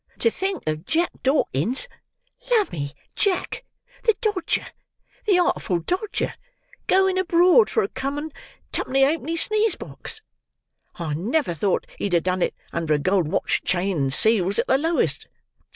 To think of Jack Dawkins—lummy Jack—the Dodger—the Artful Dodger—going abroad for a common twopenny halfpenny sneeze box! I never thought he'd a done it under a gold watch, chain, and seals, at the lowest.